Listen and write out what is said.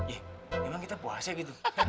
eh emang kita puase gitu